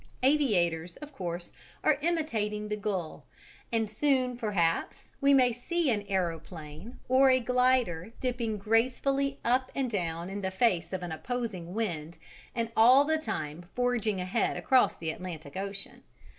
Aviators, of course, are imitating the gull, and soon perhaps we may see an aeroplane or a glider dipping gracefully up and down in the face of an opposing wind and all the time forging ahead across the Atlantic Ocean.